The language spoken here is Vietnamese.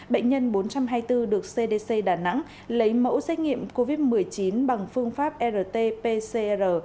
bệnh nhân bốn trăm hai mươi bốn được cdc đà nẵng lấy mẫu xét nghiệm covid một mươi chín bằng phương pháp rt pcr